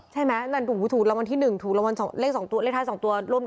เจ๊อ๋อว่าง